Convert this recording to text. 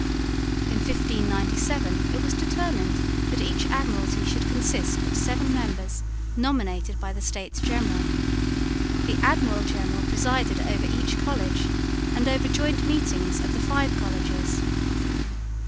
In 1597 it was determined that each Admiralty should consist of seven members nominated by the States General. The Admiral General presided over each College and over joint meetings of the five Colleges.